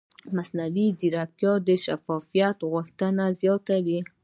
مصنوعي ځیرکتیا د شفافیت غوښتنه زیاتوي.